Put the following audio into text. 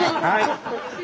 はい。